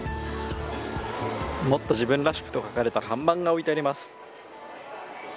もっと自分らしくと書かれた看板が置いてあります。